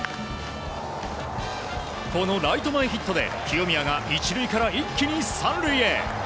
このライト前ヒットで清宮が１塁から一気に３塁へ。